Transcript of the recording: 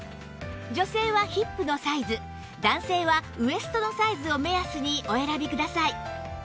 女性はヒップのサイズ男性はウエストのサイズを目安にお選びください